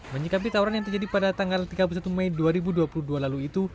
menyikapi tawuran yang terjadi pada tanggal tiga puluh satu mei dua ribu dua puluh dua lalu itu